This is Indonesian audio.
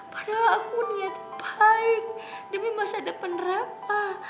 padahal aku niat baik demi masa depan berapa